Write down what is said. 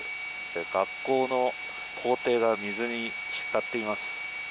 学校の校庭が水に浸っています。